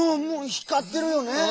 もうひかってるよね。